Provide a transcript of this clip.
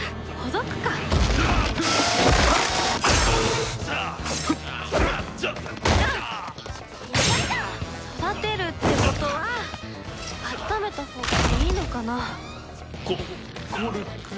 育てるってことはあっためたほうがいいのかな？ココルク。